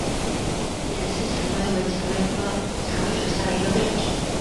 扁刺蔷薇为蔷薇科蔷薇属下的一个变种。